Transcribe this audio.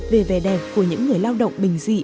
về vẻ đẹp của những người lao động bình dị